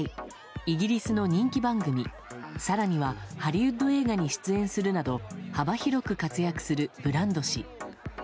イギリスの人気番組更にはハリウッド映画に出演するなど幅広く活躍するブランド氏。